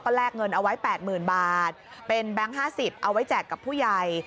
แลกเงินเอาไว้๘๐๐๐บาทเป็นแบงค์๕๐เอาไว้แจกกับผู้ใหญ่